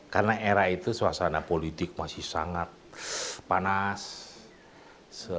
karena era itu suasana politik masih sangat panas